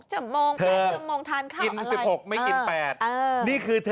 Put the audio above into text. จัดหนักเลย